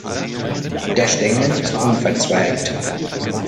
Der Stängel ist unverzweigt.